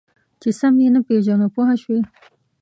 چې سم یې نه پېژنو پوه شوې!.